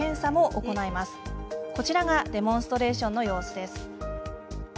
こちらがデモンストレーションの様子です。